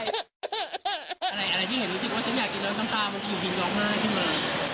อะไรที่เห็นรู้สึกว่าฉันอยากกินน้ำตามักหิวหินร้องมากที่ไหน